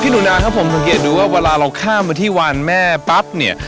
หนูนาครับผมสังเกตดูว่าเวลาเราข้ามมาที่วานแม่ปั๊บเนี่ย